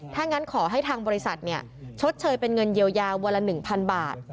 ถ้างั้นขอให้ทางบริษัทชดเชยเป็นเงินเยียวยาวันละ๑๐๐บาท